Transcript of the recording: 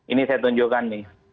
ini saya tunjukkan nih